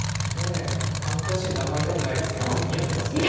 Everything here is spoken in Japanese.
悔しいんで、あまり言いたくないですけど、似合ってますね。